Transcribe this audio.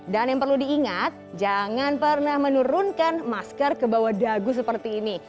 dan yang perlu diingat jangan pernah menurunkan masker ke bawah dagu seperti ini